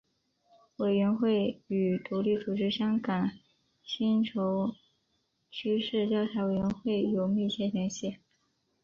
委员会与独立组织香港薪酬趋势调查委员会有密切联系。